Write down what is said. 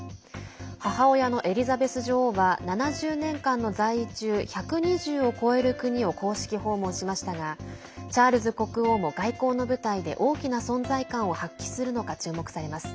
母親のエリザベス女王は７０年間の在位中１２０を超える国を公式訪問しましたがチャールズ国王も外交の舞台で大きな存在感を発揮するのか注目されます。